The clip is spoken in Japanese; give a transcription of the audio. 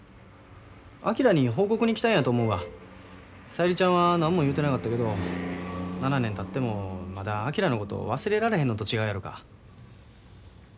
小百合ちゃんは何も言うてなかったけど７年たってもまだ昭のことを忘れられへんのと違うやろか。